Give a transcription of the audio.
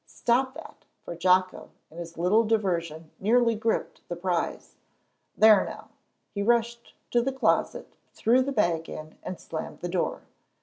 "Stop that," for Jocko in this little diversion nearly gripped the prize. "There now!" He rushed to the closet, threw the bag in, and slammed the door.